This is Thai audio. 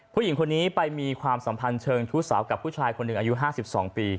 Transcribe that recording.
ผู้หญิงคนนี้ไปมีความสัมพันธ์เชิงชู้สาวกับผู้ชายคนหนึ่งอายุ๕๒ปี